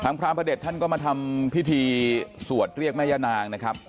พระพระเด็จท่านก็มาทำพิธีสวดเรียกแม่ย่านางนะครับ